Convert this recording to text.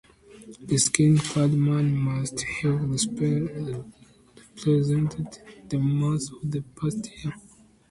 The skin-clad man must have represented the Mars of the past year.